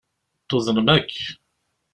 Tuḍnem akk.